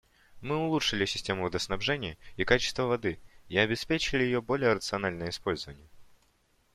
Мы улучшили систему водоснабжения и качество воды и обеспечили ее более рациональное использование.